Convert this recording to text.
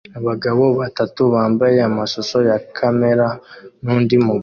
Abagabo batatu bambaye amashusho ya kamera nundi mugabo